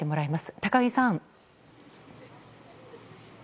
高木さん。